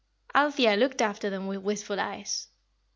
Althea looked after them with wistful eyes.